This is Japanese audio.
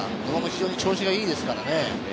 非常に調子がいいですからね。